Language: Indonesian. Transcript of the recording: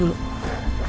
aku mau pergi